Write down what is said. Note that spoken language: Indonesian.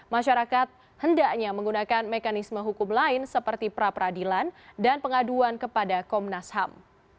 masyarakat hendaknya menggunakan mekanisme hukum lain seperti pra peradilan dan pengaduan kepada komnas ham